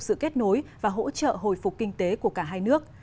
sự kết nối và hỗ trợ hồi phục kinh tế của cả hai nước